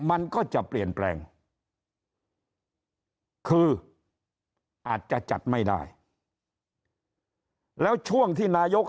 มันก็จะเปลี่ยนแปลงคืออาจจะจัดไม่ได้แล้วช่วงที่นายก